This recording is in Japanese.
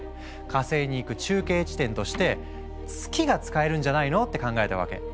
火星に行く中継地点として月が使えるんじゃないの？って考えたわけ。